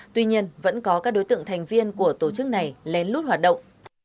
tuy nhiên vẫn có các đối tượng thành viên của tổ chức này lén lút hoạt động